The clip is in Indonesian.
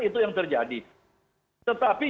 itu yang terjadi tetapi